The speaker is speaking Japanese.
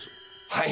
はい！